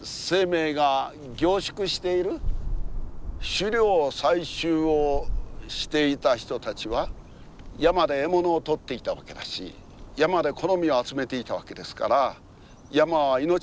狩猟採集をしていた人たちは山で獲物をとっていたわけだし山で木の実を集めていたわけですから山は命の糧。